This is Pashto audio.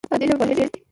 تاسو په دي ژبه پوهږئ؟